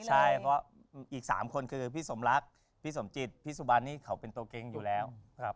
ใช่เพราะอีก๓คนคือพี่สมรักพี่สมจิตพี่สุบันนี่เขาเป็นตัวเก๊งอยู่แล้วครับ